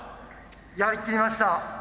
やりきりました！